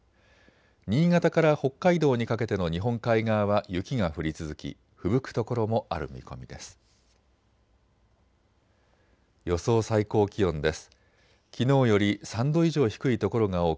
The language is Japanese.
新潟から北海道にかけての日本海側は雪が降り続きふぶく所もある見込みです。